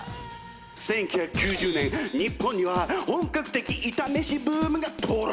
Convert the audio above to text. １９９０年日本には本格的イタ飯ブームが到来！